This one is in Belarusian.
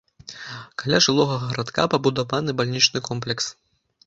Каля жылога гарадка пабудаваны бальнічны комплекс.